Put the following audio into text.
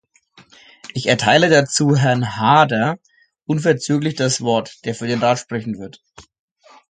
Ich erteile dazu Herrn Haarder unverzüglich das Wort, der für den Rat sprechen wird.